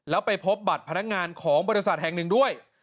แล้วไปพบบัตรพนักงานของบริษัทแห่งหนึ่งด้วย